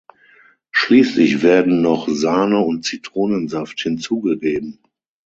Schließlich werden noch Sahne und Zitronensaft hinzugegeben.